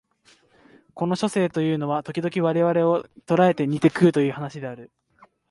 この書生というのは時々我々を捕えて煮て食うという話である